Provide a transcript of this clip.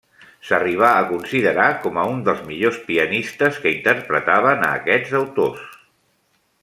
S'arribà a considerar com a un dels millors pianistes que interpretaven a aquests autors.